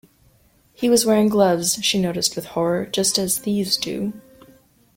He was wearing gloves, she noticed with horror, just as thieves do.